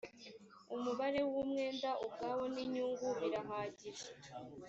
umubare w’umwenda ubwawo n’inyungu birahagije